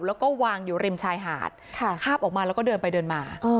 แล้วก็วางอยู่ริมชายหาดคาบออกมาแล้วก็เดินไปเดินมา